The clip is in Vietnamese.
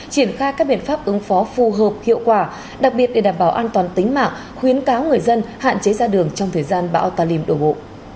triển khai các biện pháp ứng phó phù hợp hiệu quả đặc biệt để đảm bảo an toàn tính mạng khuyến cáo người dân hạn chế ra đường trong thời gian bão talim đổ bộ